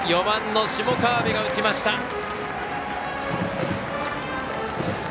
４番の下川邊が打ちました。